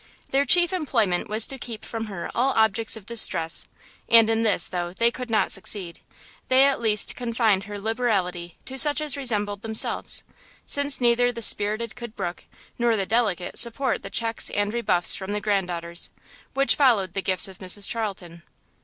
Their chief employment was to keep from her all objects of distress, and in this though they could not succeed, they at least confined her liberality to such as resembled themselves; since neither the spirited could brook, nor the delicate support the checks and rebuffs from the granddaughters, which followed the gifts of Mrs Charlton.